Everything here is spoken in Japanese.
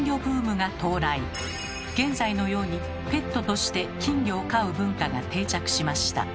現在のようにペットとして金魚を飼う文化が定着しました。